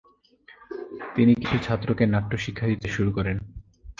তিনি কিছু ছাত্রকে নাট্য শিক্ষা দিতে শুরু করেন।